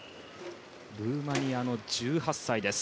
ルーマニアの１８歳です。